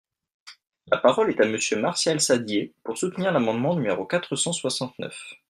La parole est à Monsieur Martial Saddier, pour soutenir l’amendement numéro quatre cent soixante-neuf.